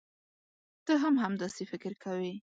ته هم همداسې فکر کوې.